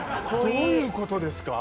どういう事ですか？